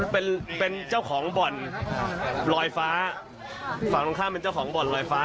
ผมฝั่งตรงข้ามเป็นเจ้าของบ่อนรอยฟ้า